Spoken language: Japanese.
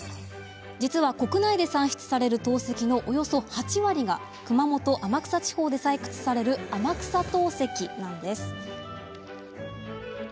実は国内で産出される陶石のおよそ８割が熊本・天草地方で採掘される天草陶石なんです。